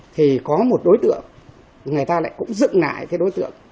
thì có một đối tượng người ta lại cũng dựng lại cái đối tượng